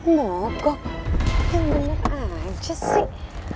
mogok bener aja sih